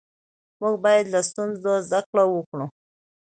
موږ باید له ستونزو زده کړه وکړو